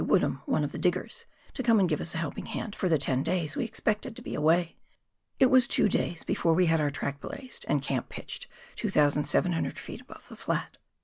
Woodham, one of the diggers, to come and give us a helping hand for the ten days we expected to be away. It was two days before we had our track blazed and camp pitched 2,700 ft. above the flat.